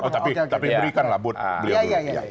tapi berikan lah buat beliau dulu